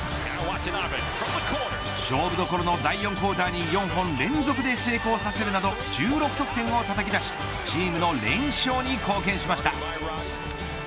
勝負どころの第４クオーターに４本連続で成功させるなど１６得点をたたき出しチームの連勝に貢献しました。